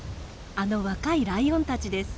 あの若いライオンたちです。